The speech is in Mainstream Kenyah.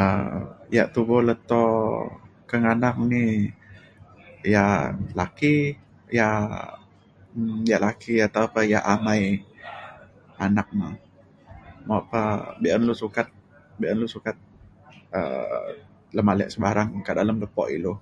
um yak tubo leto kekanak ni yak laki yak um yak laki atau pa yak amai anak na. Mok pa be’un lu sukat be’un lu sukat um lemalek sebarang kak dalem lepo ilu.